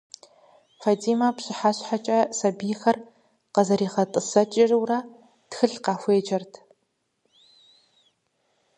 Фэтӏимэ, пщыхьэщхьэкӏэ сэбийхэр къызригъэтӏысэкӏыурэ тхылъ къахуеджэрт.